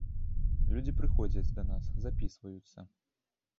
Людзі прыходзяць да нас, запісваюцца.